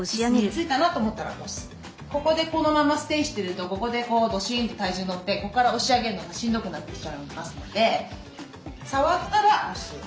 ここでこのままステイしてるとここでどしんと体重乗ってここから押し上げるのがしんどくなってきちゃいますので触ったら押す。